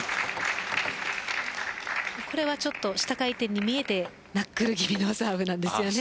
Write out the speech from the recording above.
これは下回転に見えてナックル気味のサーブです。